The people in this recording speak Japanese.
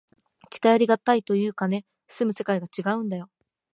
近寄りがたいというかね、住む世界がちがうんだよ。